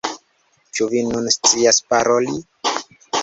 Ĉu vi nun scias paroli?